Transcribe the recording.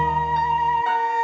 sekarang kalian bisa otok otok